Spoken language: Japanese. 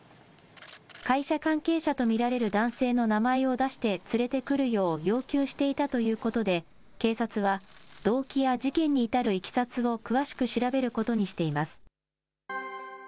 会社関係者と見られる男性の名前を出して連れてくるよう要求していたということで、警察は動機や事件に至るいきさつを詳しく調べることにしています。